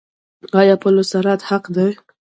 آیا پل صراط حق دی؟